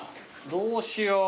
どうしよう？